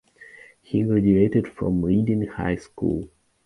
He graduated from Reading High School.